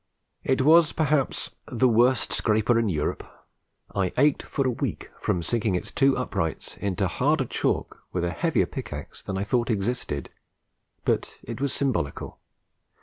It was perhaps the worst scraper in Europe I ached for a week from sinking its two uprights into harder chalk with a heavier pick axe than I thought existed but it was symbolical.